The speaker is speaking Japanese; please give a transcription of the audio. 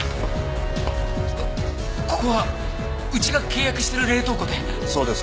ここはうちが契約してる冷凍庫で。